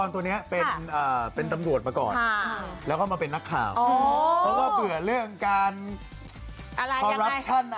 ชายทอดออกมาได้อย่างชัดเจน